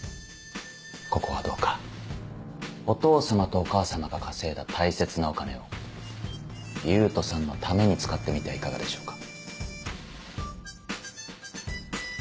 ここはどうかお父様とお母様が稼いだ大切なお金を勇人さんのために使ってみてはいかがでしょうか。